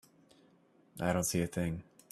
I don't see a thing.